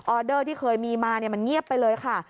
เดอร์ที่เคยมีมามันเงียบไปเลยค่ะ